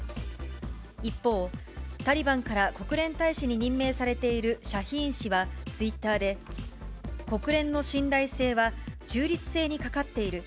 一方、タリバンから国連大使に任命されているシャヒーン氏はツイッターで、国連の信頼性は中立性にかかっている。